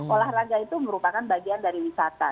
olahraga itu merupakan bagian dari wisata